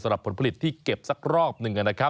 สำหรับผลผลิตที่เก็บสักรอบนึง